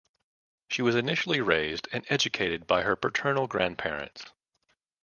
She was initially raised and educated by her paternal grandparents.